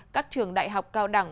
các trường đại học cao đẳng